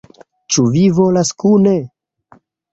Ĉu vi volas kune?